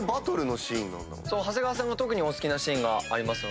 長谷川さんが特にお好きなシーンがあります。